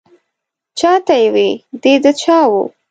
چا ته یې وې دی د چا و.